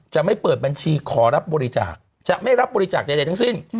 จะไม่เปิดบัญชีขอรับบริจาคจะไม่รับบริจาคใดทั้งสิ้น